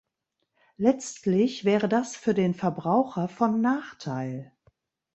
Letztlich wäre das für den Verbraucher von Nachteil.